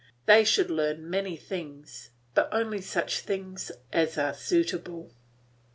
They should learn many things, but only such things as are suitable.